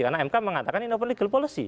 karena mk mengatakan open legal policy